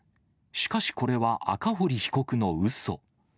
しかし、これは赤堀被告のうそ。